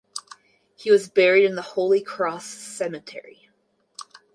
He was buried in the Holy Cross Cemetery.